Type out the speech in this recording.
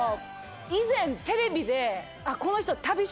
以前テレビでこの人。